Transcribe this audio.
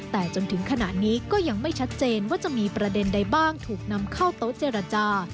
แต่จนถึงขณะนี้ก็ยังไม่ชัดเจนว่าจะมีประเด็นใดบ้างถูกนำเข้าโต๊ะเจรจา